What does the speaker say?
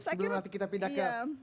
sebelum nanti kita pindah ke ruk ulhp